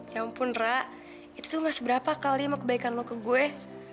ya ampun ra itu tuh ga seberapa kali mah kebaikan lo ke gue